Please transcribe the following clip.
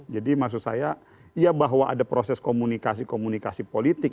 jadi maksud saya ya bahwa ada proses komunikasi komunikasi politik